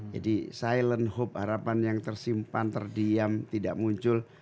jadi silen hope harapan yang tersimpan terdiam tidak muncul